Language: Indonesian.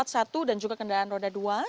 satu dan juga kendaraan roda dua